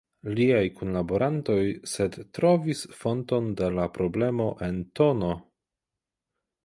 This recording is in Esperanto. Liaj kunlaborantoj sed trovis fonton de la problemo en tn.